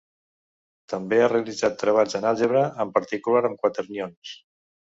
També ha realitzat treballs en àlgebra, en particular amb quaternions.